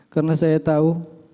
karena saya tahu